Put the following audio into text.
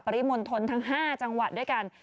ริมณฑลทั้ง๕จังหวัดด้วยกัน